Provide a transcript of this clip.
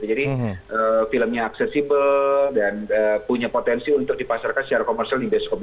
jadi filmnya aksesibel dan punya potensi untuk dipasarkan secara komersil di bioskop bioskop komersil